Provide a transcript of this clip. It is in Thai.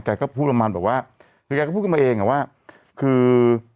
แกก็พูดกันมาเองหรอว่าคือ